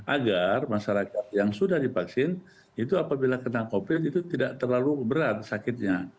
agar masyarakat yang sudah divaksin itu apabila kena covid itu tidak terlalu berat sakitnya